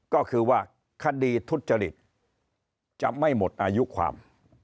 ก็คือว่าคดีทุจริตจะไม่หมดอายุความ